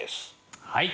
はい。